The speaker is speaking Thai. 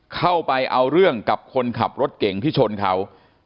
เข้าไปเอาเรื่องกับคนขับรถเก่งที่ชนเขา